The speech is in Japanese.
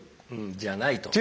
「じゃない」と。